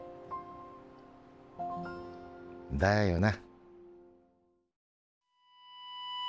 だよな。